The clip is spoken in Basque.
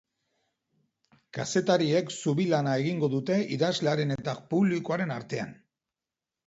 Kazetariek zubi lana egingo dute idazlearen eta publikoaren artean.